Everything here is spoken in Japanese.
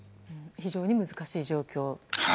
非常に難しい状況。